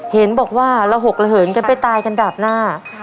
เห็นบอกว่าเราหกเหลือเหินไปตายกันตาบหน้า